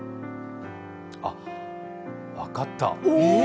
あ、分かった。